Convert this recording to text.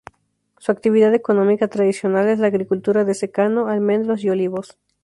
Su actividad económica tradicional es la agricultura de secano: almendros y olivos.